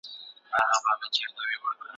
موږ دخپلو امنيتي او نظامي ځواکونو احسانونه منو